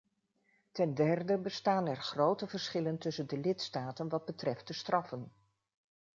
Ten derde bestaan er grote verschillen tussen de lidstaten wat betreft de straffen.